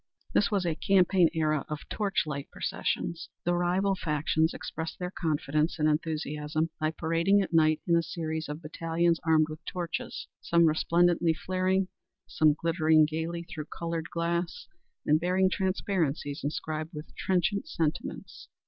This was a campaign era of torch light processions. The rival factions expressed their confidence and enthusiasm by parading at night in a series of battalions armed with torches some resplendently flaring, some glittering gayly through colored glass and bearing transparencies inscribed with trenchant sentiments.